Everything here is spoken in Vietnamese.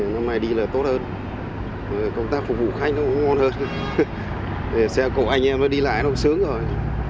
năm nay đi là tốt hơn công tác phục vụ khách nó cũng ngon hơn xe cổ anh em đi lại nó cũng sướng rồi